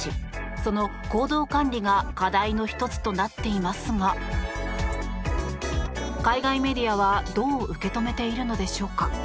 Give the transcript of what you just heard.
その行動管理が課題の１つとなっていますが海外メディアは、どう受け止めているのでしょうか。